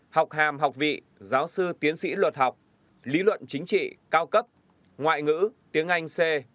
học hàm học vị giáo sư tiến sĩ luật học lý luận chính trị cao cấp ngoại ngữ tiếng anh c